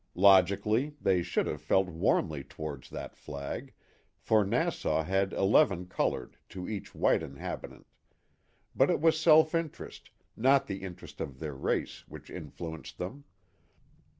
Logically, they should have felt warmly towards that flag, for Nassau has eleven colored to each white inhabitant ; but it was self interest, not the interest of their race, which influenced them.